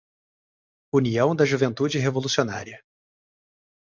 União da juventude revolucionária